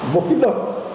một kết luận